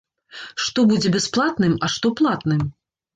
Што будзе бясплатным, а што платным?